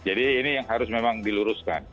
jadi ini yang harus memang diluruskan